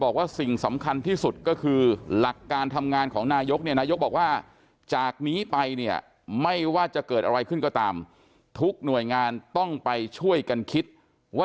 เกิดอะไรขึ้นก็ตามทุกหน่วยงานต้องไปช่วยกันคิดว่า